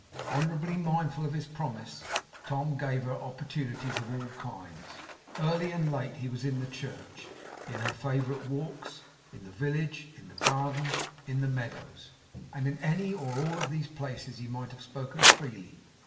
Honourably mindful of his promise, Tom gave her opportunities of all kinds. Early and late he was in the church; in her favourite walks; in the village, in the garden, in the meadows; and in any or all of these places he might have spoken freely.